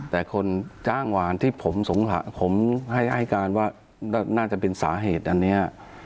แต่คนจ้างหวานที่ผมให้การว่าน่าจะเป็นสาเหตุอันนี้